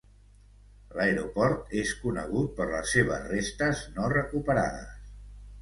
L'aeroport és conegut per les seves restes no recuperades.